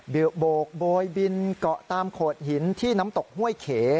โบกโบยบินเกาะตามโขดหินที่น้ำตกห้วยเข